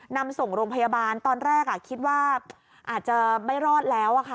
นำส่งโรงพยาบาลตอนแรกคิดว่าอาจจะไม่รอดแล้วค่ะ